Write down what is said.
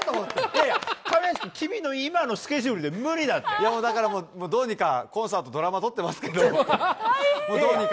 亀梨君、君の今のスケジューだからもうどうにかコンサート、ドラマ撮ってますけど、どうにか。